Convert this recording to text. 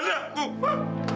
jangan anakku ma